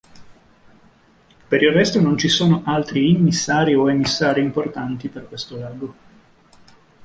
Per il resto non ci sono altri immissari o emissari importanti per questo lago.